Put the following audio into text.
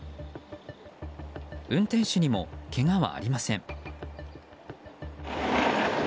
運転手にも、けがはありません。